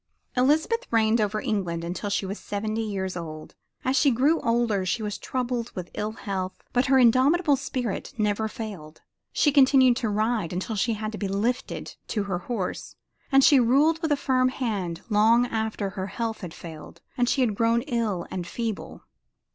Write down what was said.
Elizabeth reigned over England until she was seventy years old. As she grew older she was troubled with ill health, but her indomitable spirit never failed her. She continued to ride until she had to be lifted to her horse, and she ruled with a firm hand long after her health had failed and she had grown ill and feeble.